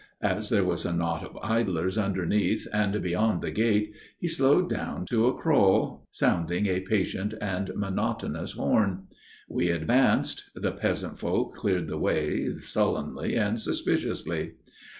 As there was a knot of idlers underneath and beyond the gate he slowed down to a crawl, sounding a patient and monotonous horn. We advanced; the peasant folk cleared the way sullenly and suspiciously.